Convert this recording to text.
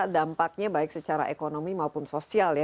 dampaknya baik secara ekonomi maupun sosial ya